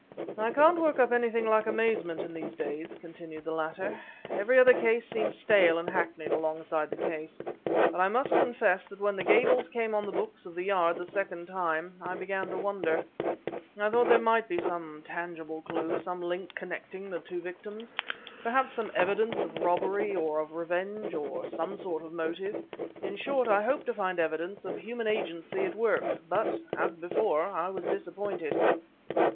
"I can't work up anything like amazement in these days," continued the latter; "every other case seems stale and hackneyed alongside the case. But I must confess that when the Gables came on the books of the Yard the second time, I began to wonder. I thought there might be some tangible clue, some link connecting the two victims; perhaps some evidence of robbery or of revenge of some sort of motive. In short, I hoped to find evidence of human agency at work, but, as before, I was disappointed."